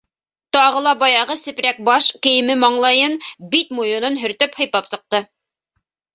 Тағы ла баяғы сепрәк баш кейеме маңлайын, бит-муйынын һөртөп-һыйпап сыҡты.